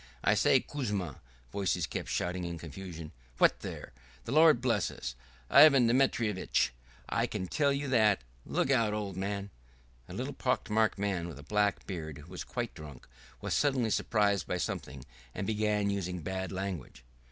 "I say, Kuzma!" voices kept shouting in confusion. "What there!" "The Lord bless us!" "Ivan Dementyitch, I can tell you that!" "Look out, old man!" A little pock marked man with a black beard, who was quite drunk, was suddenly surprised by something and began using bad language.